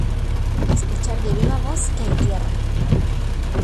escuchar de viva voz que hay tierra,